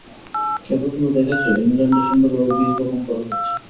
এ পর্যন্ত দেখছ, ইংলণ্ডে সুন্দরভাবে বীজ বপন করা হয়েছে।